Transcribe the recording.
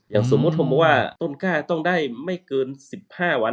อย่างสมมุติว่าต้นก้าต้องได้ไม่เกิน๑๕วัน